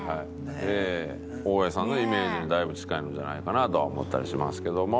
大江さんのイメージにだいぶ近いのではないかなとは思ったりしますけども。